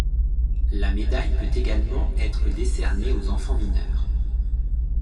La médaille peut également être décernée aux enfants mineurs.